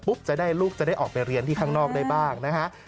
จะได้ลูกจะได้ออกไปเรียนที่ข้างนอกได้บ้างนะฮะ